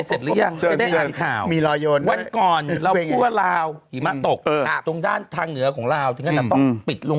สภิกษ์ดีมากนะมีไนท์ทำให้ผิวนุ่ม